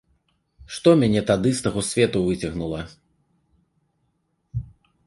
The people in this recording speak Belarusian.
Што мяне тады з таго свету выцягнула?